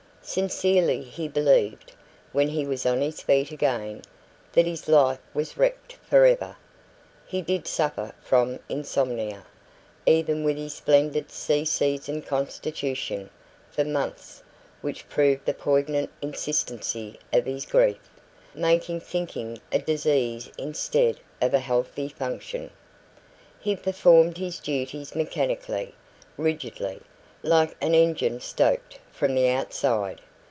Sincerely he believed, when he was on his feet again, that his life was wrecked for ever. He did suffer from insomnia, even with his splendid sea seasoned constitution, for months, which proved the poignant insistency of his grief, making thinking a disease instead of a healthy function. He performed his duties mechanically, rigidly, like an engine stoked from the outside.